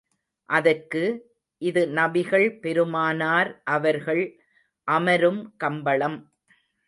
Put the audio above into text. அதற்கு, இது நபிகள் பெருமானார் அவர்கள் அமரும் கம்பளம்.